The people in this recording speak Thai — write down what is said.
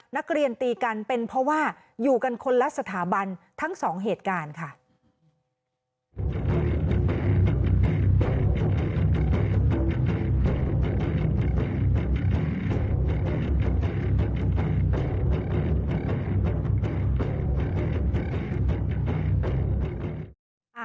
นักเรียนตีกันเป็นเพราะว่าอยู่กันคนละสถาบันทั้งสองเหตุการณ์ค่ะ